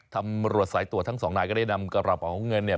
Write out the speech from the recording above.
ตำรวจสายตรวจทั้งสองนายก็ได้นำกระเป๋าของเงินเนี่ย